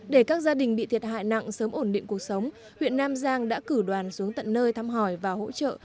để các gia đình bị thiệt hại nặng sớm ổn định cuộc sống huyện nam giang đã cử đoàn xuống tận nơi thăm hỏi và hỗ trợ